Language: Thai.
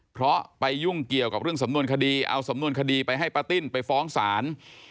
เพราะไปยุ่งเกี่ยวกับเรื่องสำนวนคดีเอาสำนวนคดีไปให้ป้าติ้นไปฟ้องศาล